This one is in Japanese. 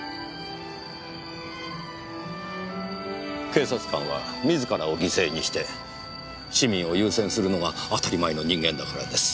警察官は自らを犠牲にして市民を優先するのが当たり前の人間だからです。